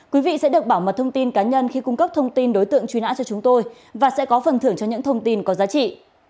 quý vị sẽ được bảo mật thông tin cá nhân khi cung cấp thông tin đối tượng truy nã cho chúng tôi và sẽ có phần thưởng cho những thông tin có giá trị